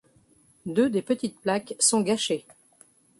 Deux des petites plaques sont gâchées.